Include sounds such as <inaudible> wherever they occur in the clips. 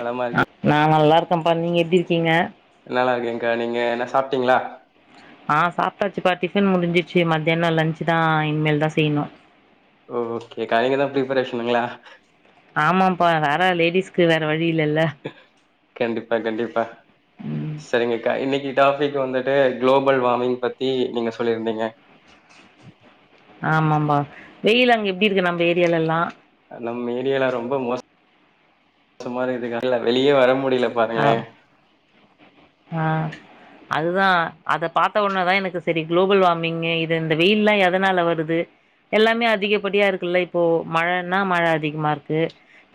நலமா அ இருக்கீங் நா நல்லாருக்கம்ப்பா நீங்க எப்டி இருக்கிங்க நல்லா இருக்கேங்கா நீங்க என்ன சாப்ட்டிங்ளா கன் முடிஞ்சிச்சு மத்யானோ லஞ்ச்தா இனிமேல் தா செய்யனு ஓ ஓகேகா நீங்கதா பிரிப்பரேஷனுங்களா ஆமாப்பா வேறா லேடிஸ்க்கு வேற வழ் கண்டிப்பா கண்டிப்பா ம் சரிங்க கா இன்னைக்கு டாபிக் வந்துட்டு குளோபல் வார்மிங் பத்தி நீங்க சொல்லிருந்தீங்க ஆமாம்பா வெயில் அங்க எப்படி இருக்கு நம்ம ஏரியாலல்லா நம் ஏரியால ரொம்ப மோஸ் சமாருதுக்கா இல்ல வெளியே வர முடியல பாருங்களே அவ் ஆஹ் அதுதா அத பார்த்த உடனேதா எனக்கு சரி குளோபல் வார்மிங்கு இது இந்த வெயில்லா எதனால வருது எல்லாமே அதிகப்படியா இருக்குல்ல இப்போ மழன்னா மழ அதிகமாருக்கு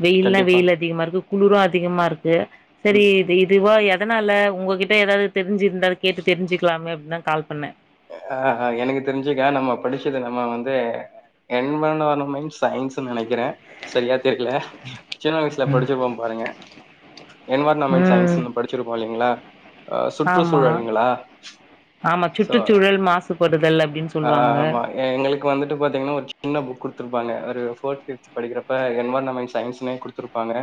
வெயில்னா கண்டிப்பா வெயில் அதிகமாருக்கு குளுரு அதிகமாருக்கு சரி ம் இது இதுவாயா எதனால உங்ககிட்ட ஏதாவது தெரிஞ்சிருந்தா அத கேட்டு தெரிஞ்சுக்லாமே அப்டின்தா கால்பண்ணே ய அ ஆ எனக்கு தெரிஞ்சுக்கா நம்ம படிச்சது நம்ம வந்து என்மனாலுமன் சயின்சு நெனைக்குறே சரியா தெரில சின்ன வயசுல படிச்சிருப்போம் பாருங்க என்வார்னாமென்ட் ம் சயின்ஸ்சுனு படிச்சிருப்போ இல்லைங்களா ஆ சுற்று ஆமா சூழல்ங்களா ஆமா ஓ சுற்றுச்சூழல் மாசுபடுதல் அப்டின்னு ஆ சொல்லுவாங்க ஆமா எங்களுக்கு வந்துட்டு பாத்தீங்கன்னா ஒரு சின்ன புக் கொடுத்துருப்பாங்க ஒரு ஃபோர்த் ஃபிவ்து படிக்கிறப்ப என்வார்ன்மென்ட் சயின்ஸ்ன்னே குடுத்துருப்பாங்க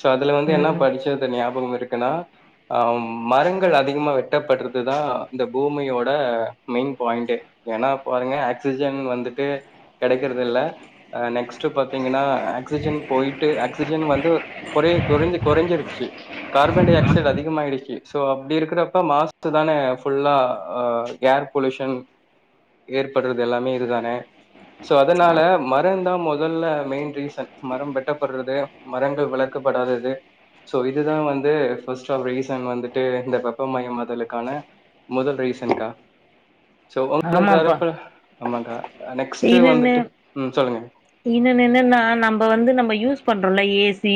சோ அதுல வந்து என்ன ம் படிச்சது ஞாபகோ இருக்குன்னா ஆ மரங்கள் அதிகமா வெட்டப்படுறதுதா இந்த பூமியோட ட மெயின் பாயிண்ட்டே ஏன்னா பாருங்க ஆக்சிஜன் வந்துட்டு கெடைக்கரத்துல்ல நெக்ஸ்டு பாத்தீங்கன்னா ஆக்சிஜன் போயிட்டு ஆக்சிஜன் வந்து கொறைய கொறைஞ்ச கொறைஞ்சிடுச்சு கார்பன் டை ஆக்சைடு அதிகமாயிடுச்சு ஸோ அப்படி இருக்கிறப்ப மாசுக்குதானே ஃபுல்லா ஆஹ் ஏர் பொலூஷன் ஏற்படுறது எல்லாமே இதுதானே சோ அதனால மரம் தான் முதல்ல மெயின் ரீசன் மரம் வெட்டப்படுறது மரங்கள் வளர்க்கப்படாதது சோ இதுதான் வந்து ஃபர்ஸ்ட்ஆப் ரீசன் வந்துட்டு இந்த வெப்பமயமாதலுக்கான முதல் ரீசன் <unintelligible> சோ ஆமாப்பா உங்கதகப்ப ஆமாங்கா நெக்ஸ்ட்டு இன்னொன்னு வந்துட்டு உம் சொல்லுங்க இன்னொன்னு என்னன்னா நம்ம வந்து நம்ம யூஸ் பண்றோம்ல ஏ சி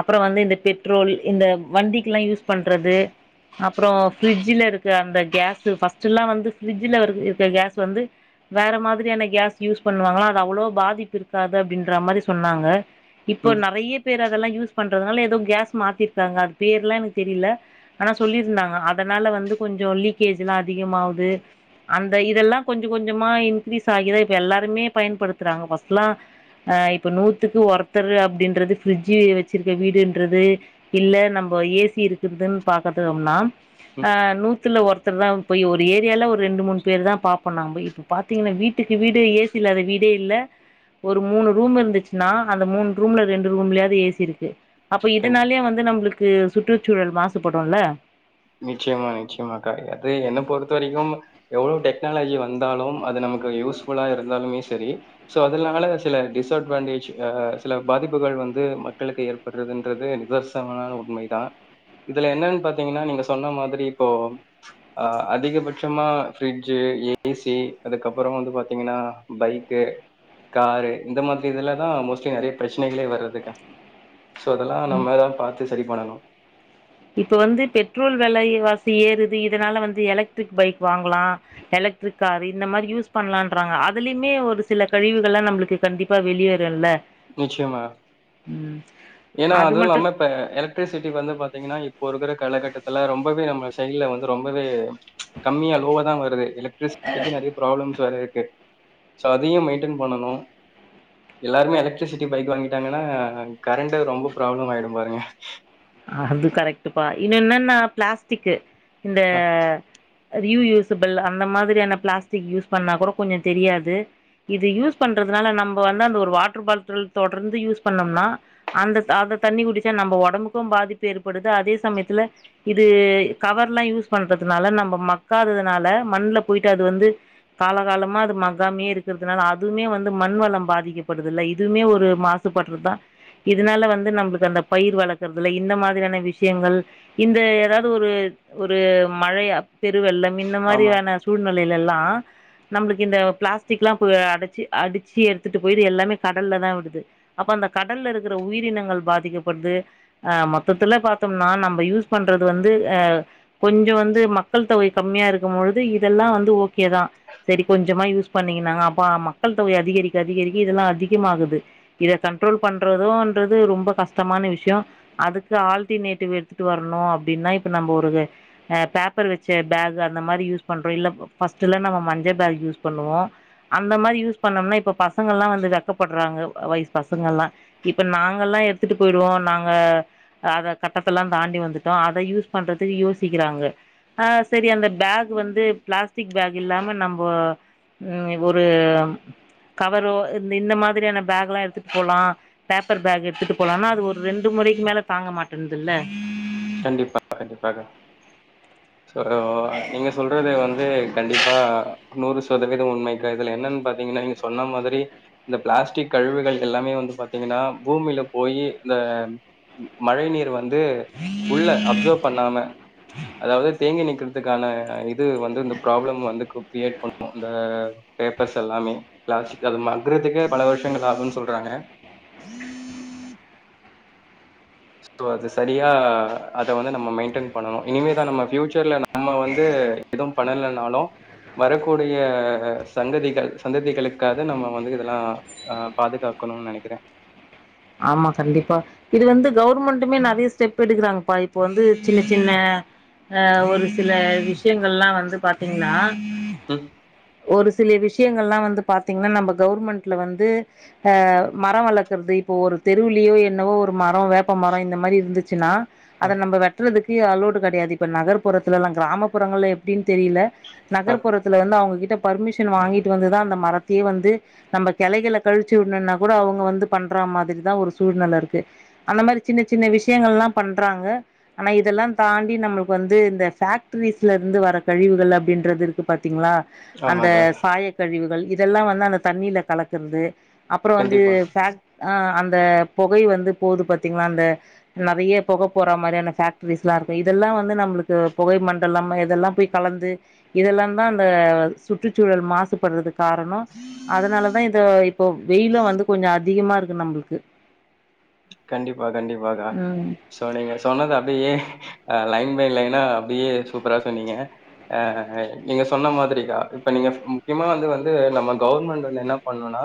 அப்புறம் வந்து இந்த பெட்ரோல் இந்த வண்டிக்குலாம் யூஸ் பண்றது அப்புறம் பிரிட்ஜ்ல இருக்க அந்த கேஸ்சு ஃபர்ஸ்ட்லா வந்து ஃப்ரிட்ஜ் இதுல இருக்க கேஸ் வந்து வேற மாதிரியான கேஸ் யூஸ் பண்ணுவாங்களா அது அவ்வளவு பாதிப்பு இருக்காது அப்டின்ற மாரி சொன்னாங்க இப்போ ம் நிறைய பேர அதெல்லாம் யூஸ் பண்றதுனால ஏதோ கேஸ் மாத்திருக்காங்க அது பேர்லாம் எனக்கு தெரியல ஆனா சொல்லியிருந்தாங்க அதனால வந்து கொஞ்சம் லீக்கேஜ் எல்லாம் அதிகமாவுது அந்த இதெல்லா கொஞ்சு கொஞ்சமா இன்கிரீஸ் ஆகிதா இப்ப எல்லாருமே பயன்படுத்துறாங்க பஸ்ட்லா ஆ இப்ப நூத்துக்கு ஒருத்தரு அப்படின்றது பிரிட்ஜு வச்சிருக்க வீடுன்றது இல்ல நம்ம ஏசி இருக்குதுன்னு பாக்த்தோம்னா ம் ஆ நூத்துல ஒருத்த ஒருத்தருதா போய் ஒரு ஏரியால ஒரு ஒரு ரெண்டு மூணு பேரு தா பாப்போ நாம இப்ப பாத்தீங்கன்னா வீட்டுக்கு வீடு ஏசி இல்லாத வீடே இல்ல ஒரு மூணு ரூம் இருந்துச்சுன்னா அந்த மூணு ரூம்ல ரெண்டு ரூம்லையாது ஏசி இருக்கு அப்ப கண் இதனாலயே வந்து நம்மளுக்கு கு சுற்றுச்சூழல் மாசுபடும்ல நிச்சயமா நிச்சயமாக்கா அது என்ன பொறுத்த வரைக்கும் எவ்வளோ டெக்னாலஜி வந்தாலும் அது நமக்கு யூஸ்புல்லா இருந்தாலுமே சரி சோ அதனால சில டிஸ்அட்வான்டேஜ் ஆ சில பாதிப்புகள் வந்து மக்களுக்கு ஏற்படுறதுன்றது நிதர்சமான உண்மை தா இதுல என்னன்னு பாத்தீங்கன்னா நீங்க சொன்ன மாதிரி இப்போ ஆ அதிகபட்சமா பிரிட்ஜ்ஜு ஏசி அதுக்கப்புறோ வந்து பாத்தீங்கன்னா பைக்கு காரு இந்த மாதிரி இதுலதா மோஸ்ட்லி நறைய பிரச்சனைகளே வர்றதுக்கா சோ அதெல்லா நம்மதா பாத்து சரி பன்னனு இப்ப வந்து பெட்ரோல் வெலைவாசி ஏறுது இதனால வந்து எலக்ட்ரிக் பைக் வாங்கலா எலக்ட்ரிக் காரு இந்த மாரி யூஸ் பண்ணலான்ராங்க அதுலயுமே ஒரு சில கழிவுகள் எல்லா நம்முளுக்கு கண்டிப்பா வெளியேரு இல்ல நிச்சியமா ம் ஏன்னா அது நம்ம இப்ப எலக்ட்ரிசிட்டி வந்து பாத்தீங்கன்னா இப்ப இப்போ இருக்கிற காலகட்டத்துல ரொம்பவே நம்ம செயிடுல வந்து ரொம்பவே கம்மியா லோவாதா வருது எலக்ட்ரிசிட்டிக்கு நெறைய பிராப்ளம்ஸ் வேர இருக்கு கு சோ அதையு மேயின்டன் பன்னனு எல்லாருமே எலக்ட்ரிசிட்டி பைக் வாங்கிட்டாங்கன்னா கரண்ட்டு ரொம்ப ப்ராப்ளம் ஆயிடும் பாருங்க அது கரெக்டுப்பா இன்னு என்னன்னா பிளாஸ்டிக்கு இந்த ஆ, ரீ யூசபிள் அந்த மாதிரியான பிளாஸ்டிக் யூஸ் பண்ணா கூட கொஞ்சு தெரியாது இது யூஸ் பண்றதுனால நம்ம வந்து அந்த ஒரு வாட்டர் பாட்டில் தொடர்ந்து யூஸ் பண்ணோம்னா அந்த அதை தண்ணி குடிச்சா நம்ம ஒடம்புக்கு பாதிப்பு ஏற்படுது அதே சமயத்துல இது கவர் எல்லா யூஸ் பண்றதுனால நம்ம மக்காததுனால மண்ல போயிட்டு அது வந்து காலகாலமா அது மக்காமையே இருக்கிறதுனால அதுவுமே வந்து மண் வளம் பாதிக்கப்படுது இல்ல இதுவுமே ஒரு மாசுபடுறது தா இதனால வந்து நம்முளுக்கு அந்த பயிர் வள <unintelligible> இந்த மாதிரியான விஷயங்கள் இந்த ஏதாவது ஒரு ஒரு மழைய பெ து வெள்ளம் இந்த ஆமா. மாதிரியான வெள்ளம் சூழ்நிலை ல்லா நம்மளுக்கு இந்த பிளாஸ்டிக் எல்லா போய் அடைச்சு அடிச்சு எடுத்துட்டு போயிட்டு எல்லாமே கடல்ல தா விடுது அப்ப அந்த கடல்ல இருக்கிற உயிரினங்கள் பாதிக்கப்படுது ஆ மொத்தத்துல பாத்தோம்னா நம்ம யூஸ் பண்றது வந்து ஆ கொஞ்சு வந்து மக்கள் தொகை கம்மியா இருக்கு பொழுது இதெல்லா வந்து ஓக்கேதா சேரி கொஞ்சமா யூஸ் பண்ணீங்கன்னாங்க அப்ப மக்கள் தொகை அதிகரிக்க அதிகரிக்க இதெல்லா அதிகமாகுது இத கண்ட்ரோல் பண்றதோன்றது ரொம்ப கஷ்டமான விஷயோ அதுக்கு ஆல்டர்னேட்டிவ் எடுத்துகிட்டு வரணு அப்பிடின்னா இப்போ நம்ம ஒரு ஆ பேப்பர் வச்ச பேகு அந்த மாரி யூஸ் பண்ணுறோ இல்லை ஃபர்ஸ்ட்டலா நம்ம மஞ்ச பேக் யூஸ் பண்ணுவோ அந்த மாரி யூஸ் பண்ணோம்னா இப்போ பசங்கள்லா வந்து வெக்கப்படுறாங்க வயசு பசங்கள்லா இப்போ நாங்கள்லா எடுத்துட்டு போயிடுவோ நாங்க அத கட்டத்தல்லா தாண்டி வந்துட்டோ அதை யூஸ் பண்றதுக்கு யோசிக்கிறாங்க ஆ சேரி அந்த பேக் வந்து பிளாஸ்டிக் பேக் இல்லாம நம்ம உம் ஒரு கவரோ இந்த இந்த மாதிரியான பேக் எல்லா எடுத்துட்டு போலா பேப்பர் பேக் எடுத்துட்டு போலானா அது ஒரு ரெண்டு முறைக்கு மேல தாங்க மாட்டேன்னுதுல்ல கண்டிப்பா கண்டிப்பாக சோ நீங்க சொல்றது வந்து கண்டிப்பா நூறு சதவீதம் உண்மைகா இதுல என்னான்னு பார்த்தீங்கன்னா நீங்க சொன்ன மாதிரி இந்த பிளாஸ்டிக் கழிவுகள் எல்லாமே வந்து பாத்தீங்கன்னா பூமியில போய் இந்த மழை நீர் வந் வந்து உள்ள அப்சர்வ் பண்ணாம அதாவது தே தேங்கி நிக்கறதுக்கான இது வந்து இந்த ப்ராப்ளம் வந்து கிரியேட் பண்ணும் இந்த பேப்பர்ஸ் எல்லாமோ <unintelligible> மங்கறதுக்கே பல வருஷங்கள் ஆகும்ன சொல்றாங்க சோ அது சரியா அத வந்து நம்ம மெயின்டென் பண்ணணும் இனிமேதான் நம்ம ஃபீயூச்சர்ல நம்ம வந்து எதுவும் பண்ணலனாலும் வரக்கூடிய சங்கதிகள் சந்ததிகளுக்காக நம்ம வந்து இதெல்லாம் ஆ பாதுகாக்கணும்னு நினைக்கிறேன் ஆமா கண்டிப்பா இது வந்து கவர்மெண்ட்டமே நிறைய ஸ்டெப் எடுக்கறாங்கப்பா இப்ப வந்து சின்ன சின்ன ஆ ஒரு சில விஷயங்கள் எல்லா வந்து பாத்தீங்கன்னா ம் ஒரு சில விஷயங்கள்லாம் வந்து சில பார்த்தீங்கன்னா நம்ம கவுவர்மெண்ட்ல வந்து ஆ மரம் வளர்க்கர்றது இப்போ ஒரு தெருவுலியோ என்னவோ ஒரு மரம் வேப்ப மரம் இந்த மாரி இருந்துச்சுன்னா அதை நம்ம வெட்டுறதுக்கு ப்ப அலோட்டு கிடையாது இப்ப நகர்ப்புறத்துலலாம் கிராமப்புறங்கள்ல எப்படின்னு தெரியல நகர்ப்புறத்துல இருந்து அவங்ககிட் கிட்ட பர்மிஷன் வாங்கிட்டு வந்துதா அந்த மரத்தையே வந்து நம்ப கெளைகள கழிச்சு விடணும்னா கூட அவங்க வந்து பண் ற மாதிரிதா ஒரு சூழ்நில இருக்கு அந்த மாரி சின்ன சின்ன விஷயங்கள்லா பண்றாங்க ஆனா இதெல்லா தாண்டி நம்பளுக்கு வந்து இந்த ஃபேக்ட்ரீஸ்லந்து வர கழிவுகள் அப்படின்றது இருக்குப் பா த்தீங்களா அந்த ஆமாக்கா சாய கழிவுகள் இதெல்லா வந்து அந்த தண்ணில கலக்கர்து அப்புறம் வந்து கண்டிப்பா ஃபாக்ட் அந்த புகை வந்து போது பாத்தீங்களா அந்த நெறைய புக போற மாதிரியான ஃபாக்டிரிஸ் எல்லாம் இருக்கும் இதெல்லா வந்து நம்மளுக்கு புகை மண்டலம் இதெல்லா போய் கலந்து இதெல்லா தான் அந்த சுற்றுச்சூழல் மாசுபடுறதுக்கு காரணம் அதனால தான் இத இப்போ வெயிலும் வந்து கொஞ்சோ அதி அதிகமா இருக்கு நம்பளுக்கு கண்டிப்பா கண்டிப்பாக்கா சோ நீங்க சொன்னத அப்டியே அ லைன் பை லைனா அப்டியே சூப்பரா சொன்னீங்க அ நீங்க சொன்ன மாதிரிக்கா இப்ப நீங்க முக்கியமா வந்து வந்து நம்ம கவர்மெண்ட் வந்து என்ன பண்ணும்னா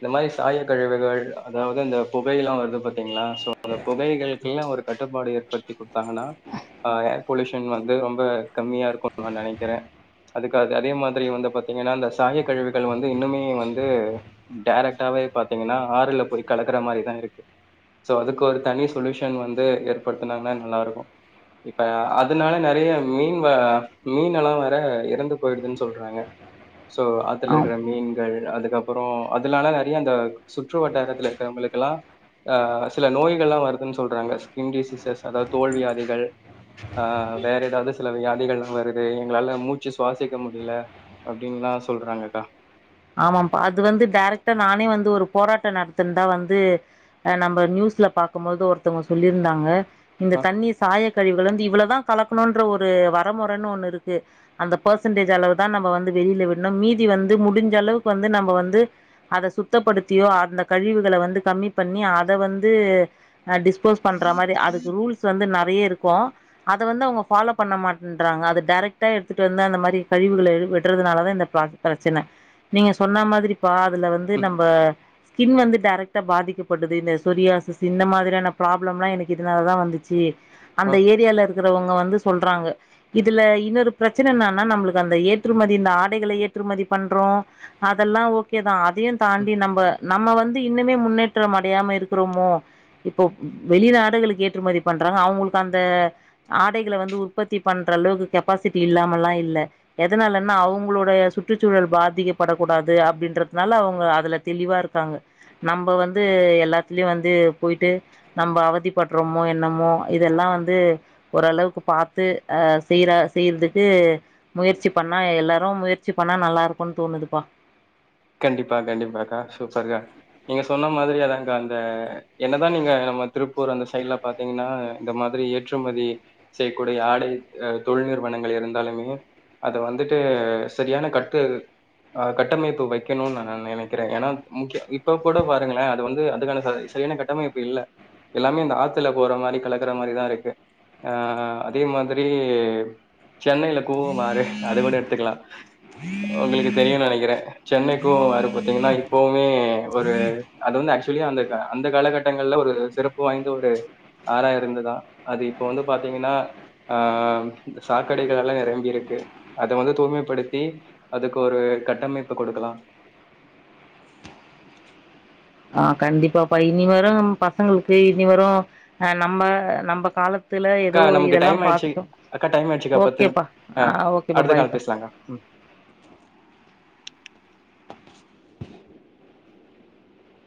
இந்த மாரி சாய கழிவுகள் அதாவது இந்த புகையெல்லா வற்து பாத்தீங்ளா சோ அந்த புகைகளுக்குலா ஒரு கட் கட்டுப்பாடு ஏற்படுத்தி குடுத்தாங்கனா அ ஏர் பொல்யூஷன் வந்து ரொம்ப கம்மியா இருக்கும்னு நா நெனைக்கிறே அதுக்கு அது அதே மாதிரி வந்து பாத்தீங்கன்னா இந்த சாய கழிவுகள் வந்து இன்னுமே வந்து டேரக்டாவே பாத்தீங்கன்னா ஆறுல போய் கலக்குற மாரிதா இருக்கு சோ அதுக்கு ஒரு தனி சொலூஷன் வந்து ஏற்படுத்துனாங்கனா நல்லாருக்கு இப்ப அதுனால நறைய மீன் வ மீன் எல்லா வேற இறந்து போயிடுதுன்னு சொல்றாங்க சோ ஆத்துல ஆம் இருக்குற மீன்கள் அதுக்கப் அப்புறோ அதுனாலே நெறைய அந்த சுற்று வட்டாரத்துல இருக்கறவங்களுக்கெளா ஆ சில நோய்கள்லா வருதுன் சொல்றாங்க ஸ்கின் டிசீசஸ் அதாத் தோல் வியாதிகள் ஆ வேற எதாவது சில வியாதிகள்லா வருது எங்ளால மூச்சு சுவாசிக்க முடிலா அப்டின்லா சொல்றாங்கக்கா ஆமாம்பா அது வந்து டைரக்ட்டா நானே வந்து ஒரு போராட்டோ நடத்தின்தா வந்து ஆ நம்ம நியூஸ்ல பாக்கும் மோது ஒருத்தவுங்கோ சொல்லியிருந்தாங்க இந்த அ தண்ணீர் சாய கழிவுகளந்து இவ்ளோதா கலக்குணோன்ற ஒரு வரமுறனு ஒண்ணு இருக்கு அந்த பெர்செண்டேஜ் அளவுதா நம்ப வந்து வெளில விட்னம் மீதி வந்து முடி சளவுக்கு வந்து நம்ப வந்து அத சுத்தப்படுத்தியோ அந்த கழிவுகள வந்து கம்மி பண்ணி அத வந்து ஆ டிஸ்போஸ் பண்ற மாரி அதுக்கு ரூல்ஸ் வந்து நெறைய இருக்கோ அத வந்து அவுங்க ஃபாலோ பண்ண மாட்டன்றாங்க அது டைரக்டா எடுத்துட்டு வந்து அந்த மாரி கழிவுகள எ விட்டுறதுனாலதா இந்த ப்ரா பிரச்சன நீங்க சொன்னா மாதிரி பா அதுல வந்து ம் நம்ப ஸ்கின் வந்து டைரக்டா பாதிக்கப்படுதுயினு சொரியாசிஸ் இன்ன மாதிரியான பிராப்ளம்லா எனக்கு இதுனாலதா வந்துச்சி அ அந்த ஏரியால இரு கிருவங்க வந்து சொல்றாங்க இதுல இன்னொரு பிரச்சன என்னானா நம்முளுக்கு அந்த ஏத்துறுமதி இந்த ஆடைகளை ஏத்துறுமதி பண்றோ அதெல்லா ஓகேதா ஆ தியு ம் தாண்டி நம்ப நம்ம வந்து இன்னுமே முன்னேற்றம் அடையாம இருக்கிறோமோ இப்போ வெளிநாடுகளுக்கு ஏற்றுமதி பண்றாங்க அவங்களுக்கு அந்த ஆடைகளை வந்து உற்பத்தி பண்ற அளவுக்கு கெப்பாசிட்டி இல்லாமல்லாம் இல்ல எதனாலன்னா அவங்களோட சுற்றுச்சூழல் பாதிக்க படக்கூடாது அப்படின்றதுனால அவங்க அதுல தெளிவா இருக்காங்க நம்ம வந்து எல்லாத்துலயும் வந்து போய்ட்டு நம்ம அவதிப்பட்றோமோ என்னமோ மோ இதெல்லாம் வந்து ஓரளவுக்கு பார்த்து ஆ செய்யற செய்யறதுக்கு முயற்சி பண்ணா எல்லாரும் முயற்சி பண்ணா நல்லா இருக்கும்ன்னு தோணுது பா கண்டிப்பா கண்டிப்பாக்கா சூப்பர்க்கா நீங்க சொன்ன மாதிரி அதான்ங்க அந்த என்னதான் நீங்க நம்ம திருப்பூர் அந்த சைட்ல பாத்தீங்கன்னா இந்த மாதிரி ஏற்றுமதி செய்யக்கூடிய ஆடை தொழில் நிறுவனங்கள் இருந்தாலுமே அத வந்துட்டு சரியான கட்டு கட்டமைப்பு வைக்க வைக்கணும்னு நான் நினைக்கிறேன் ஏன்னா முக்கி இப்ப கூட பாருங்களேன் அது வந்து அதுக்கான சரியான கட்டமைப்பு இல்ல எல்லாமே அந்த ஆத்துல போற மாதிரி கலக்குற மாதிரிதான் இருக்கு ஆ அதே மாதிரி சென்னையில் கூவம் ஆறு அது கூட எடுத்துக்கலாம் உங்களுக்கு தெரியும்னு நினைக்கிறேன் சென்னைக்கும் ஆறு பாார்த்தீங்கன்னா இப்பவுமே ஒரு அது வந்து ஆக்சுவலி அந்த அந்த காலகட்டங்கள்ல ஒரு சிறப்பு வாய்ந்த ஒரு ஆறா இருந்ததான் அது இப்போ வந்து பாார்த்தீங்கன்னா ஆ சாக்கடைகள் எல்லாம் நிரம்பிருக்கு அதை வந்து தூய்மைப்படுத்தி அதுக்கு ஒரு கட்டமைப்பு கொடுக்கலாம் ஆ கண்டிப்பாப்பா இனி வரும் பசங்களுக்கு இனி வரும் ஆ நம்ம நம்ம கால அக்கா நமக்கு டைம் ஆயிடுச்சு அக்கா டைம் ஆயிடுச்சுக்கா பத்து ஓகேப்பா ஆ ஓகேப்பா அடுத்த கால பாய்ப்பா பேசலாங்கா ம் <inaudible>